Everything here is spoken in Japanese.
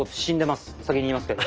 先に言いますけど。